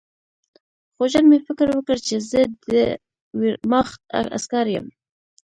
خو ژر مې فکر وکړ چې زه د ویرماخت عسکر یم